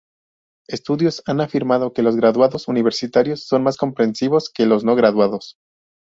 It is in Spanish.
Estudios han afirmado que los graduados universitarios son más comprensivos que los no graduados.